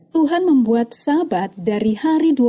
tuhan membuat sabat dari hati